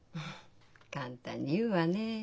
簡単に言うわねえ。